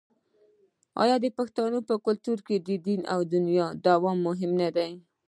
آیا د پښتنو په کلتور کې دین او دنیا دواړه مهم نه دي؟